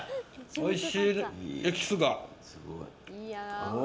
おいしい！